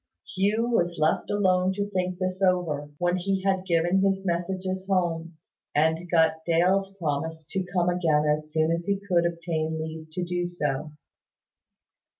Hugh was left alone to think this over, when he had given his messages home, and got Dale's promise to come again as soon as he could obtain leave to do so.